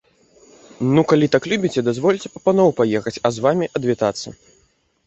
Ну, калі так любіце, дазвольце па паноў паехаць, а з вамі адвітацца.